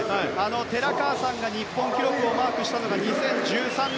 寺川さんが日本記録をマークしたのが２０１３年。